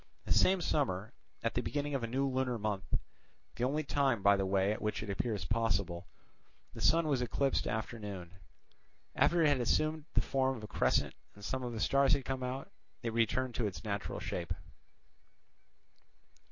The same summer, at the beginning of a new lunar month, the only time by the way at which it appears possible, the sun was eclipsed after noon. After it had assumed the form of a crescent and some of the stars had come out, it returned to its natural shape.